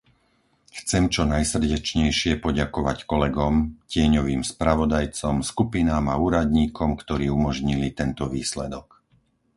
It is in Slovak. Chcem čo najsrdečnejšie poďakovať kolegom, tieňovým spravodajcom, skupinám a úradníkom, ktorý umožnili tento výsledok.